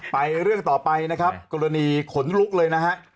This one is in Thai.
เรื่องต่อไปนะครับกรณีขนลุกเลยนะฮะ